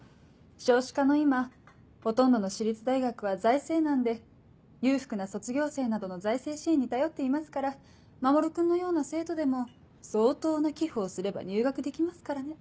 少子化の今ほとんどの私立大学は財政難で裕福な卒業生などの財政支援に頼っていますから守君のような生徒でも相当な寄付をすれば入学できますからね。